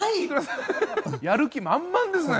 やる気満々ですね。